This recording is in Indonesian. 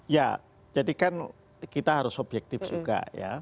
ya jadi kan kita harus objektif juga ya